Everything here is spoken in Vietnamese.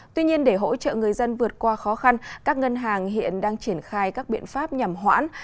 tuy nhiên để hỗ trợ người dân vượt qua khó khăn các ngân hàng hiện đang triển khai các biện pháp nhằm hoãn